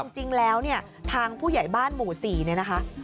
จริงแล้วเนี่ยทางผู้ใหญ่บ้านหมู่๔เนี่ยนะคะ